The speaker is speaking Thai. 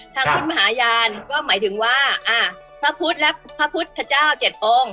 ทางพุทธมหาญก็หมายถึงว่าพระพุทธพระพุทธเจ้า๗องฤ